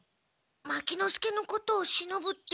牧之介のことをしのぶって？